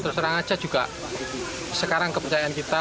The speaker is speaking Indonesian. terus terang aja juga sekarang kepercayaan kita